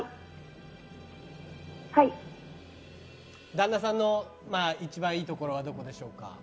旦那さんの一番いいところはどこでしょうか？